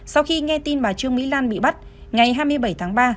sau khi nghe tin bà trương mỹ lan bị bắt ngày hai mươi bảy tháng ba